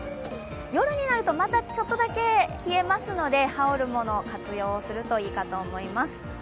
夜になるとまたちょっとだけ冷えますので、羽織るもの活用するといいかと思います。